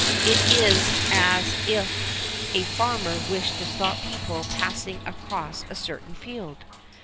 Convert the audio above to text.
It is as if a farmer wished to stop people passing across a certain field.